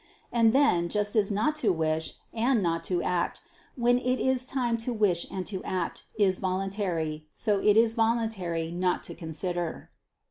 And then, just as not to wish, and not to act, when it is time to wish and to act, is voluntary, so is it voluntary not to consider.